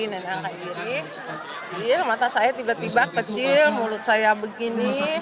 jadi mata saya tiba tiba kecil mulut saya begini